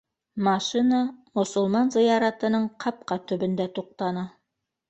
Машина мосолман зыяратының ҡапҡа төбөндә туҡтаны.